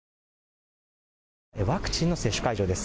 ワクチンの接種会場です。